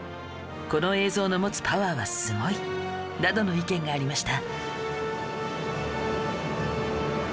「この映像の持つパワーはすごい」などの意見がありました